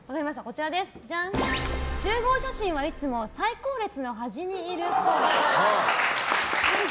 集合写真はいつも最後列の端にいるっぽい。